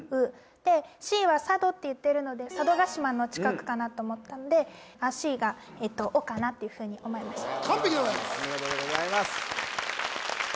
でＣは佐渡って言ってるので佐渡島の近くかなと思ったんでＣがオかなっていうふうに思いましたお見事でございます